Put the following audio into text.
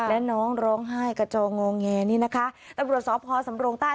และน้องร้องไห้กระจองงอแงนี่นะคะตำรวจสพสำรงใต้